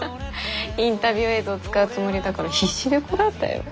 インタビュー映像使うつもりだから必死でこらえたよ。